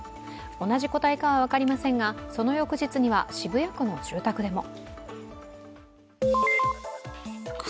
同じ個体かは分かりませんがその翌日には渋谷区の住宅でも。